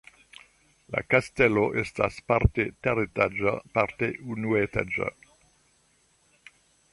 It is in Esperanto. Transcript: La kastelo estas parte teretaĝa, parte unuetaĝa.